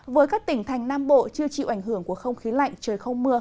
với các tỉnh thành nam bộ chưa chịu ảnh hưởng của không khí lạnh trời không mưa